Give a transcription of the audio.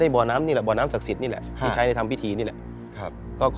บ่อน้ำนี่แหละบ่อน้ำศักดิ์นี่แหละที่ใช้ในทำพิธีนี่แหละ